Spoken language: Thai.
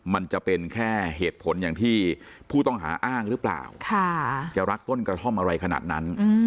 มันจะเป็นแค่เหตุผลอย่างที่ผู้ต้องหาอ้างหรือเปล่าจะรักต้นกระท่อมอะไรขนาดนั้น